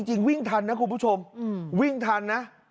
จริงวิ่งทันนะคุณผู้ชมวิ่งทันนะ